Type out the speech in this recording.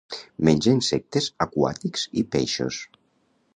Menja insectes aquàtics i peixos.